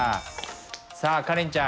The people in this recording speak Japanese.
さあカレンちゃん